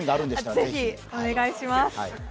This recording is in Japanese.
ぜひお願いします。